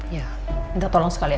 ya minta tolong sekali